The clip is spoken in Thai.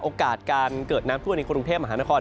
โอกาสการเกิดน้ำท่วมในกรุงเทพมหานคร